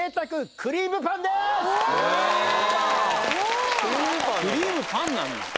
クリームパンなんだ。